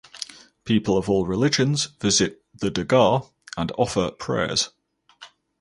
People of all religions visit the dargah and offer prayers.